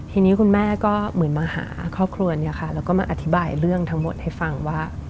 ทีนี้คุณแม่ก็เหมือนมาหาครอบครัวเนี่ยค่ะแล้วก็มาอธิบายเรื่องทั้งหมดให้ฟังว่า